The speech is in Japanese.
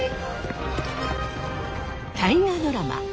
大河ドラマ